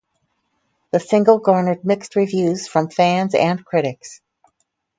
The single garnered mixed reviews from fans and critics.